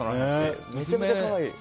めちゃめちゃ可愛い。